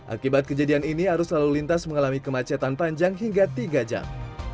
akibat kejadian ini arus lalu lintas mengalami kemacetan panjang hingga tiga jam